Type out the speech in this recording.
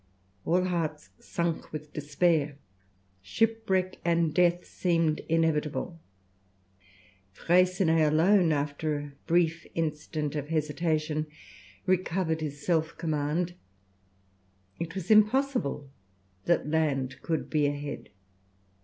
All hearts sunk with despair; shipwreck and death seemed inevitable. Freycinet alone, after a brief instant of hesitation, recovered his self command. It was impossible that land could be ahead.